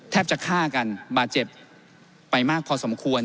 จะฆ่ากันบาดเจ็บไปมากพอสมควร